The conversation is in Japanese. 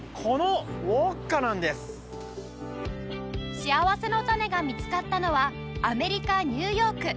しあわせのたねが見つかったのはアメリカニューヨーク